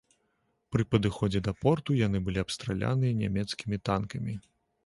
Пры падыходзе да порту, яны былі абстраляныя нямецкімі танкамі.